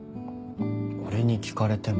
俺に聞かれても。